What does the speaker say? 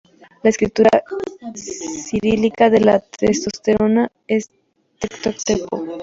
La escritura cirílica de la testosterona es "тестостерон".